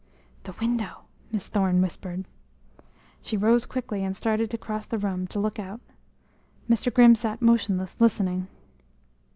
"The window!" Miss Thorne whispered. She rose quickly and started to cross the room, to look out; Mr. Grimm sat motionless, listening.